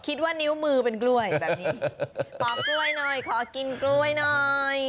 ขอกล้วยหน่อยขอกินกล้วยหน่อย